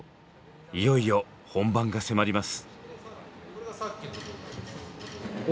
いよいよ本番が迫ります。